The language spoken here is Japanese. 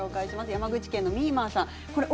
山口県の方です。